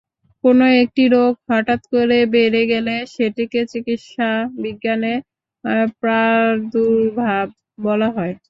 কোনো একটি রোগ হঠাৎ করে বেড়ে গেলে সেটিকে চিকিৎসাবিজ্ঞানে প্রাদুর্ভাব বলা হয়।